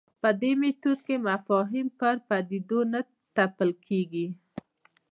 په دې میتود کې مفاهیم پر پدیدو نه تپل کېږي.